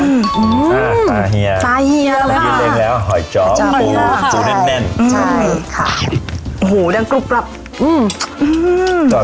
อืมสาเหียสาเหียมันกินเร็งแล้วหอยเจ้าปูปูแน่นแน่นใช่ค่ะอืม